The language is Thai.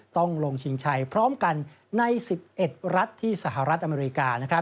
ต้องลงชิงชัยพร้อมกันใน๑๑รัฐที่สหรัฐอเมริกา